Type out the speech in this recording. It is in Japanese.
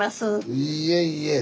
いいえいいえ。